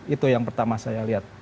itu yang pertama saya lihat